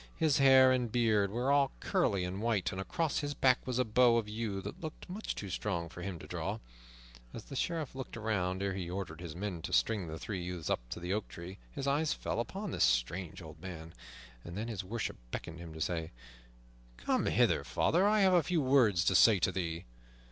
His hair and beard were all curly and white, and across his back was a bow of yew that looked much too strong for him to draw. As the Sheriff looked around ere he ordered his men to string the three youths up to the oak tree, his eyes fell upon this strange old man. Then his worship beckoned to him, saying, "Come hither, father, I have a few words to say to thee."